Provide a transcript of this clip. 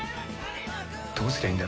どうすりゃいいんだ。